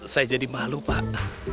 saya jadi malu pak